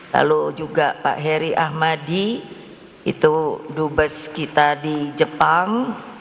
lalu juga pak heri ahmadi itu dubes kita di jepang